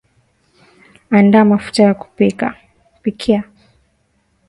andaa mafuta ya kupikia